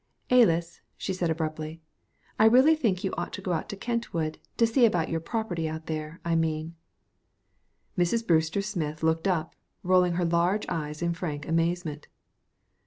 "Alys," she said abruptly, "I really think you ought to go out to Kentwood to see about your property out there, I mean." Mrs. Brewster Smith looked up, rolling her large eyes in frank amazement.